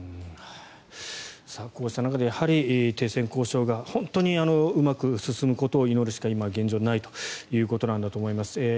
こうした中で停戦交渉が本当にうまく進むことを祈るしか今、現状はないということだと思います。